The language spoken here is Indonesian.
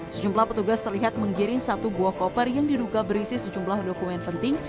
sejumlah petugas terlihat menggiring satu buah koper yang diduga berisi sejumlah dokumen penting